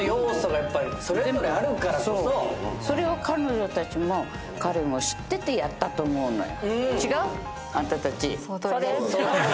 それを彼女たちも彼も知っててやったと思うのよ。